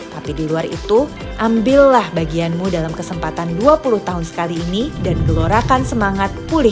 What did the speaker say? tapi di luar itu ambillah bagianmu dalam kesempatan dua puluh tahun sekali ini dan gelorakan semangat kuliah